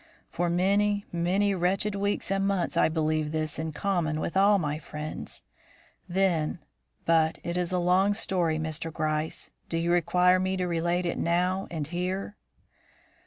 "For many, many wretched weeks and months I believed this in common with all my friends. Then but it is a long story, Mr. Gryce. Do you require me to relate it now and here?"